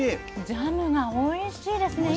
ジャムがおいしいですね。